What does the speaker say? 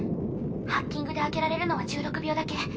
ハッキングで開けられるのは１６秒だけ。